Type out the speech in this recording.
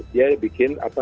dia bikin apa